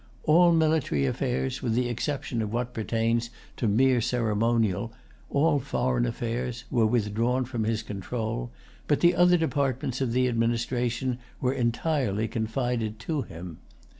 All military affairs, and with the exception of what pertains to mere ceremonial all foreign affairs, were withdrawn from his control; but the other departments of the administration were entirely confided to him.